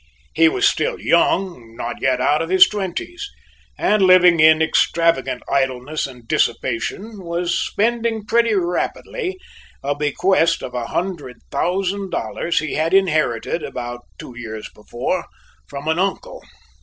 He was still young, not yet out of his twenties, and, living in extravagant idleness and dissipation, was spending pretty rapidly a bequest of a hundred thousand dollars he had inherited, about two years before, from an uncle.